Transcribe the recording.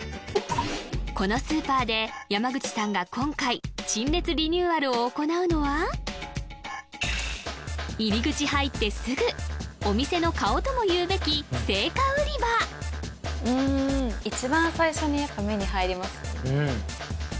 このスーパーで山口さんが今回陳列リニューアルを行うのは入り口入ってすぐお店の顔ともいうべきうん一番最初にやっぱ目に入りますよね